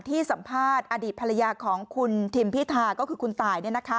สัมภาษณ์อดีตภรรยาของคุณทิมพิธาก็คือคุณตาย